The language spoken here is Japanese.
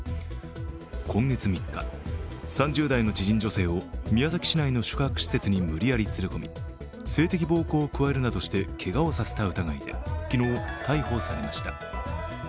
今月３日、３０代の知人女性を宮崎市内の宿泊施設に無理矢理連れ込み、性的暴行を加えるなどしてけがをさせた疑いで昨日、逮捕されました。